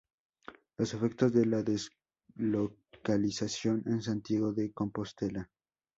Los efectos de la deslocalización, en Santiago de Compostela.